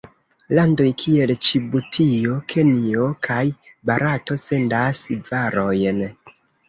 Landoj kiel Ĝibutio, Kenjo kaj Barato sendas varojn.